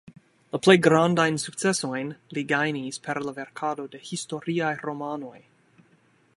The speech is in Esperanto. La plej grandajn sukcesojn li gajnis per la verkado de historiaj romanoj.